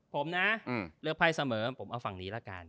ผมนะเลือกไพ่เสมอผมเอาฝั่งนี้ละกัน